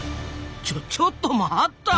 ちょちょっと待った！